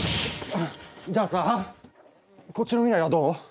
じゃあさこっちの未来はどう？